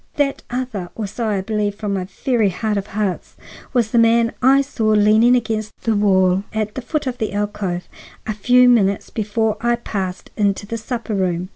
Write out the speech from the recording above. That other, or so I believe from my very heart of hearts, was the man I saw leaning against the wall at the foot of the alcove a few minutes before I passed into the supper room."